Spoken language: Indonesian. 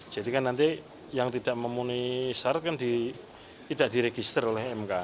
jadi kan nanti yang tidak memenuhi syarat kan tidak diregister oleh mk